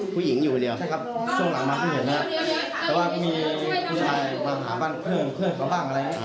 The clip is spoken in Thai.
บ้างละมีผู้ชายมาหาเพื่อนของเขาบ้างอะไรยัง